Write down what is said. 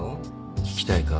聞きたいか？